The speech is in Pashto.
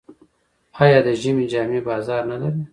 آیا د ژمي جامې بازار نلري؟